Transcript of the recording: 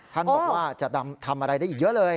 ท่านบอกว่าจะทำอะไรได้อีกเยอะเลย